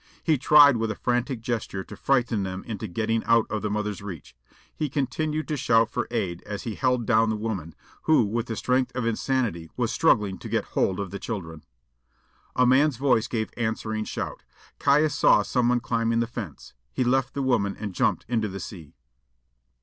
He tried with a frantic gesture to frighten them into getting out of the mother's reach. He continued to shout for aid as he held down the woman, who with the strength of insanity was struggling to get hold of the children. A man's voice gave answering shout. Caius saw someone climbing the fence. He left the woman and jumped into the sea.